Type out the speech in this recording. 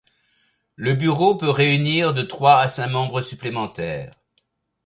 Le bureau peut réunir de trois à cinq membres supplémentaires.